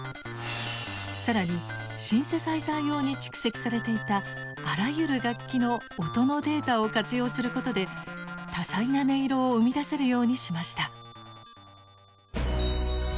更にシンセサイザー用に蓄積されていたあらゆる楽器の音のデータを活用することで多彩な音色を生み出せるようにしました。